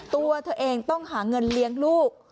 ตัวเธอเองต้องหาเงินเลี้ยงลูก